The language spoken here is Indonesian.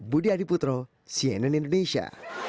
budi adiputro cnn indonesia